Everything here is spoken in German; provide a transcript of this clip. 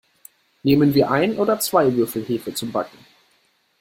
Nehmen wir ein oder zwei Würfel Hefe zum Backen?